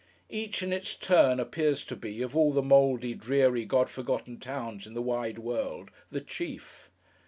Each, in its turn, appears to be, of all the mouldy, dreary, God forgotten towns in the wide world, the chief.